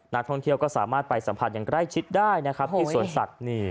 นักท่องเที่ยวก็สามารถไปสัมผัสอย่างใกล้ชิดได้นะครับที่สวนสัตว์